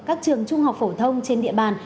các trường trung học phổ thông trên địa bàn